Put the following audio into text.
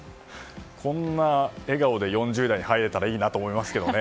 こんな笑顔で４０代に入れたらいいなと思いますけどね。